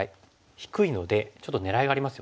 低いのでちょっと狙いがありますよね。